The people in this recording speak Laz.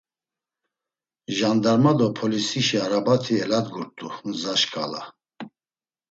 Jandarma do polisişi arabati eladgurt̆u gza şǩala.